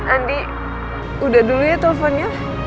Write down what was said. andi udah dulu ya teleponnya